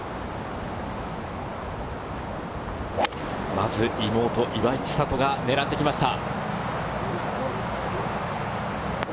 まず、妹・岩井千怜が狙ってきました。